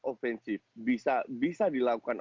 offensive bisa dilakukan